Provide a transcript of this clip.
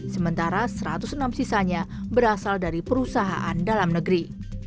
sementara satu ratus enam sisanya berasal dari perusahaan dalam negeri